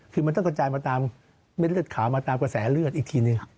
คือมันต้องกระจายมาตามเม็ดเลือดขาวมาตามกระแสเลือดอีกทีหนึ่ง